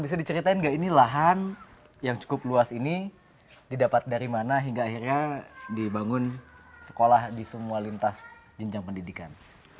bisa diceritain nggak ini lahan yang cukup luas ini didapat dari mana hingga akhirnya dibangun sekolah di semua lintas jenjang pendidikan